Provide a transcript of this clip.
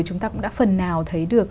chúng ta cũng đã phần nào thấy được